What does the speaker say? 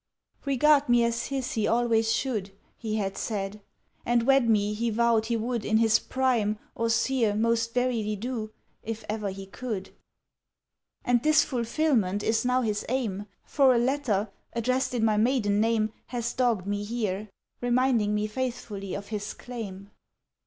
"Regard me as his he always should, He had said, and wed me he vowed he would In his prime or sere Most verily do, if ever he could. "And this fulfilment is now his aim, For a letter, addressed in my maiden name, Has dogged me here, Reminding me faithfully of his claim.